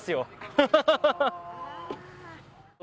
ハハハハ。